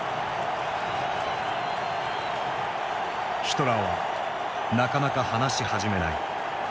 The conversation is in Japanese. ヒトラーはなかなか話し始めない。